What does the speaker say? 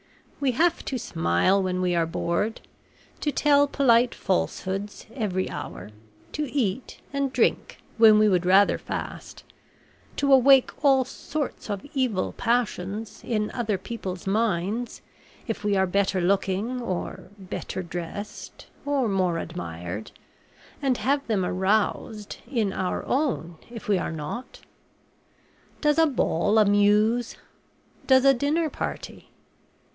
We have to smile when we are bored to tell polite falsehoods every hour to eat and drink when we would rather fast to awake all sorts of evil passions in other people's minds if we are better looking or better dressed, or more admired; and have them aroused in our own if we are not? Does a ball amuse? Does a dinner party?